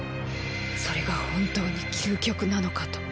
それが本当に究極なのかと。